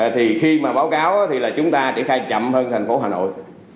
thì khi mà báo cáo thì là chúng ta triển khai chậm hơn thành phố hà nội